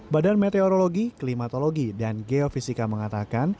badan meteorologi klimatologi dan geofisika mengatakan